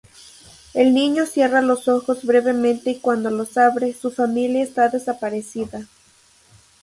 El niño cierra los ojos brevemente, y cuando los abre, su familia está desaparecida.